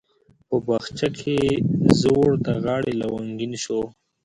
په بخچه کې زوړ د غاړي لونګین شو